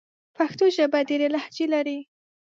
پښتو ژبه ډېري لهجې لري.